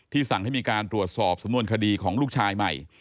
สั่งให้มีการตรวจสอบสำนวนคดีของลูกชายใหม่